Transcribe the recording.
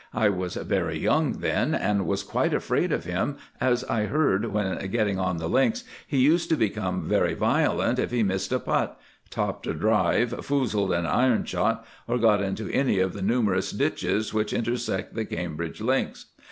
I was very young then, and was somewhat afraid of him, as I heard when getting on the Links he used to become very violent if he missed a putt, topped a drive, foozled an iron shot, or got into any of the numerous ditches which intersect the Cambridge links.